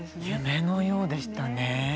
夢のようでした。